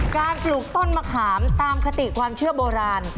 ปลูกต้นมะขามตามคติความเชื่อโบราณ